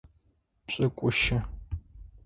Пшӏыкӏущы.